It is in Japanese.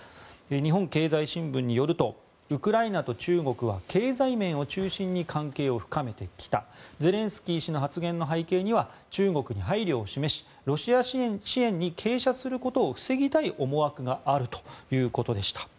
日本経済新聞によるとウクライナと中国は経済面を中心に関係を深めてきたゼレンスキー氏の発言の背景には中国に配慮を示しロシア支援に傾斜することを防ぎたい思惑があるということでした。